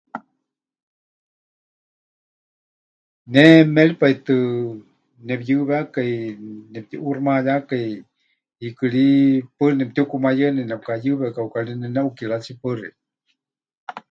Ne méripai tɨ nepɨyɨwékai, nepɨtiʼuuximayákai, hiikɨ ri paɨ nemɨtiukumayɨani nepɨkayɨwe, kauka ri neneʼukiratsi. Paɨ xeikɨ́a.